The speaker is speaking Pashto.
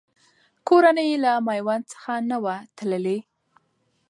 کورنۍ یې له میوند څخه نه وه تللې.